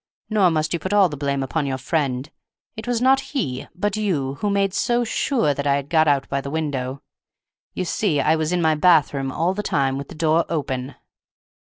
Nor must you put all the blame upon your friend; it was not he, but you, who made so sure that I had got out by the window. You see, I was in my bathroom all the time—with the door open."